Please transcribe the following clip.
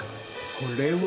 これは？